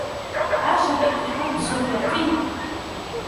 عاش الاتحاد السوفياتي!